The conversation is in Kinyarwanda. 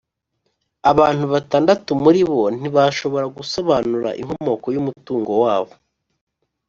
abantu batandatu muri bo ntibashobora gusobanura inkomoko y’umutungo wabo,